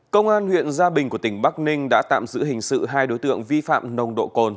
công an huyện gia bình của tỉnh bắc ninh đã tạm giữ hình sự hai đối tượng vi phạm nồng độ cồn